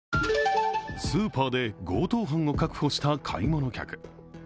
スーパーで強盗犯を確保した買い物客。